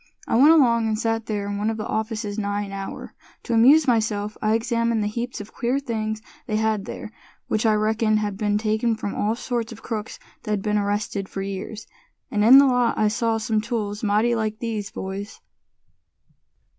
I went along, and sat there in one of the offices nigh an hour. To amuse myself, I examined the heaps of queer things they had there, which I reckoned had been taken from all sorts of crooks that'd been arrested for years. And in the lot I saw some tools mighty like these, boys!"